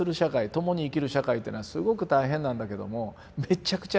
共に生きる社会っていうのはすごく大変なんだけどもめっちゃくちゃ